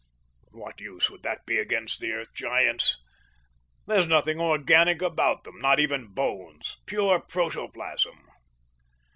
"What use would that be against the Earth Giants? There's nothing organic about them, not even bones. Pure protoplasm!"